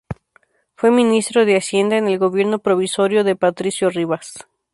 Fue Ministro de Hacienda en el gobierno provisorio de Patricio Rivas.